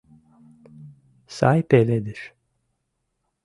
Сай пеледыш